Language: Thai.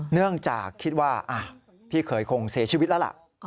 เนื่องจากคิดว่าพี่เขยคงเสียชีวิตแล้วล่ะ